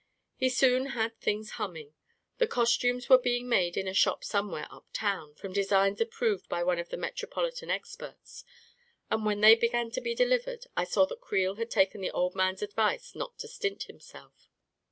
He soon had things humming. The costumes were being made in a shop somewhere uptown, from designs approved by one of the Metropolitan experts, and when they began to be delivered, I saw that Creel had taken the old man's advice not to stint himself.